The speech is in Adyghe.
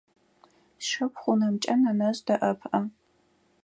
Сшыпхъу унэмкӏэ нэнэжъ дэӏэпыӏэ.